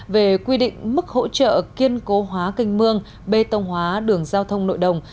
về quy định mức hỗ trợ kiên cố hóa kênh mương bê tông hóa đường giao thông nội đồng